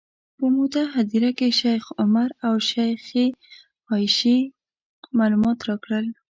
په موته هدیره کې شیخ عمر او شیخې عایشې معلومات راکړل.